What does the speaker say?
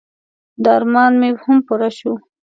د ارمان مې هم پوره شو.